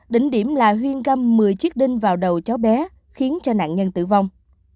đỉnh điểm là huyên căm một mươi chiếc đinh vào đầu cháu bé khiến nạn nhân tử vong